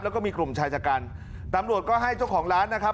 แล้วก็มีกลุ่มชายชะกันตำรวจก็ให้เจ้าของร้านนะครับ